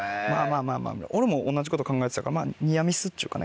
「まぁまぁ俺も同じこと考えてたからニアミスっちゅうかね